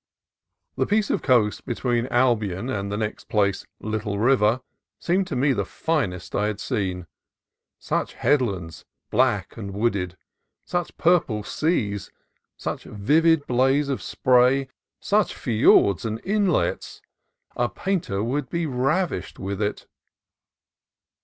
The piece of coast between Albion and the next place, Little River, seemed to me almost the finest I had seen. Such headlands, black and wooded, such purple seas, such vivid blaze of spray, such fiords and islets, — a painter would be ravished with it.